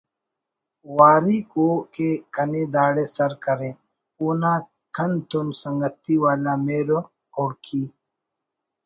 واری کو کہ کنے داڑے سر کرے اونا کن تون سنگتی والا مہر و خڑکی